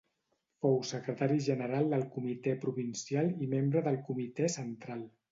Fou secretari general del comitè provincial i membre del comitè central.